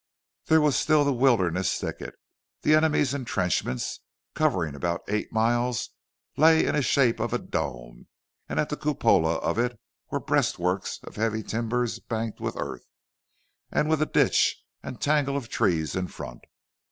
There was still the Wilderness thicket; the enemy's intrenchments, covering about eight miles, lay in the shape of a dome, and at the cupola of it were breastworks of heavy timbers banked with earth, and with a ditch and a tangle of trees in front.